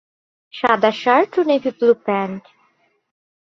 সাদা শার্ট ও navy blue pant.